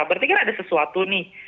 berarti kan ada sesuatu nih